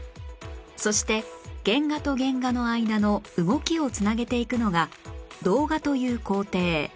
そして原画と原画の間の動きを繋げていくのが動画という工程